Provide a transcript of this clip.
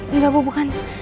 enggak bu bukan